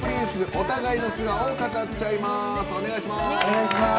お互いの素顔を語っちゃいます。